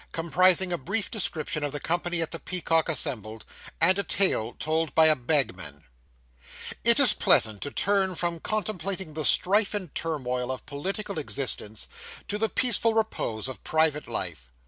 COMPRISING A BRIEF DESCRIPTION OF THE COMPANY AT THE PEACOCK ASSEMBLED; AND A TALE TOLD BY A BAGMAN It is pleasant to turn from contemplating the strife and turmoil of political existence, to the peaceful repose of private life.